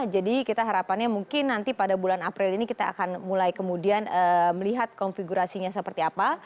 jadi kita harapannya mungkin nanti pada bulan april ini kita akan mulai kemudian melihat konfigurasinya seperti apa